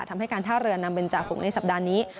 ทำให้การท่าเรือนำเป็นจ่าฝูงในสัปดาห์นี้